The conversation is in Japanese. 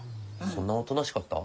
そんなおとなしかった？